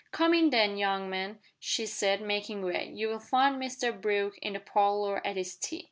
"Come in, then, young man," she said, making way. "You'll find Mr Brooke in the parlour at his tea."